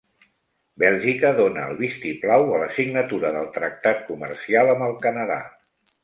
Bèlgica dona el vistiplau a la signatura del tractat comercial amb el Canadà